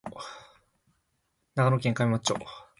長野県上松町